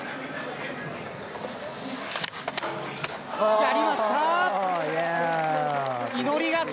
やりました。